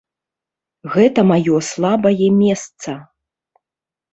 Гэта маё слабае месца.